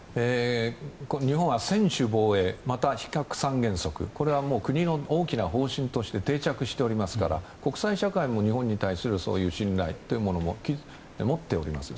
日本は専守防衛また非核三原則国の大きな方針として定着していますから国際社会も、日本に対するそういう信頼を持っております。